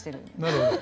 なるほど。